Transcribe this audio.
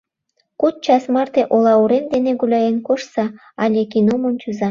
Куд час марте ола урем дене гуляен коштса але кином ончыза.